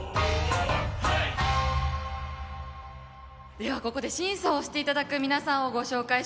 ではここで審査をしていただく皆さんをご紹介します。